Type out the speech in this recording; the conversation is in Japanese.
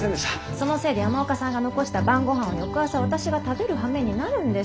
そのせいで山岡さんが残した晩ごはんを翌朝私が食べるはめになるんです。